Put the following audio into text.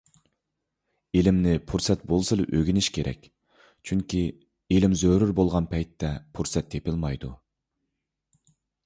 ئىلىمنى پۇرسەت بولسىلا ئۆگىنىش كېرەك، چۈنكى ئىلىم زۆرۈر بولغان پەيتتە پۇرسەت تېپىلمايدۇ.